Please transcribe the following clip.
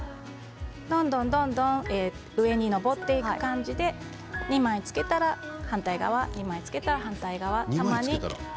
どんどんどんどん上に上っていく感じで２枚つけたら反対側２枚つけたら反対側。